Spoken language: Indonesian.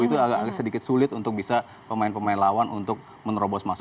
itu agak sedikit sulit untuk bisa pemain pemain lawan untuk menerobos masa